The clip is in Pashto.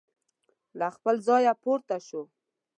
له خپل ځایه پورته شو.